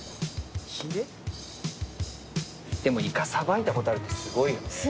でもイカさばいたことあるってすごいよね。